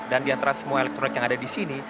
dan di antara semua elektronik yang ada di sini